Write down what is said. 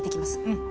うん。